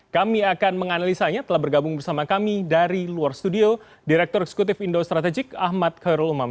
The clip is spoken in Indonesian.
kami akan menganalisanya telah bergabung bersama kami dari luar studio direktur eksekutif indo strategik ahmad khairul umam